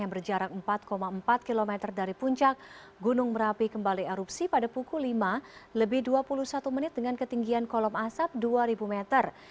yang berjarak empat empat km dari puncak gunung merapi kembali erupsi pada pukul lima lebih dua puluh satu menit dengan ketinggian kolom asap dua ribu meter